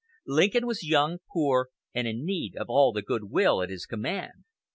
Lincoln was young, poor, and in need of all the good will at his command.